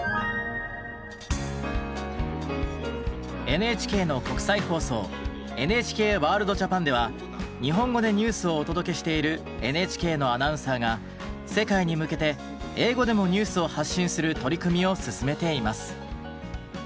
ＮＨＫの国際放送「ＮＨＫワールドＪＡＰＡＮ」では日本語でニュースをお届けしているＮＨＫのアナウンサーが世界に向けて英語でもニュースを発信する取り組みを進めています。